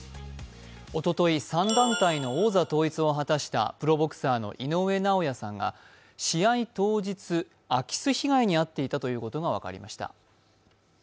おととい、３団体の王座統一を果たしたプロボクサーの井上尚弥さんが試合当日、空き巣被害に遭っていたということが分かりました。